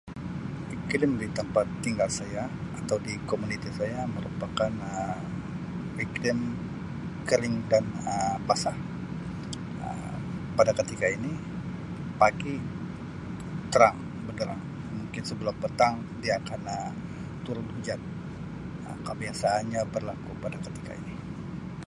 Iklim di tempat tinggal saya atau di komuniti saya merupakan Um iklim kering dan Um basah Um pada ketika ini pagi terang benderang mungkin sebelah petang dia akan Um turun hujan Um kebiasaannya berlaku pada ketika ini.